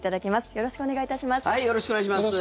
よろしくお願いします。